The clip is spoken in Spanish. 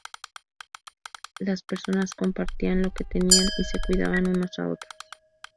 Las personas compartían lo que tenían y se cuidaban unos a otros.